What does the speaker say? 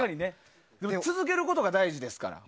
でも続けることが大事ですから。